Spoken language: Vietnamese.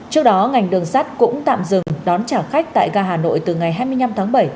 trước đó ngành đường sắt cũng tạm dừng đón trả khách tại ga hà nội từ ngày hai mươi năm tháng bảy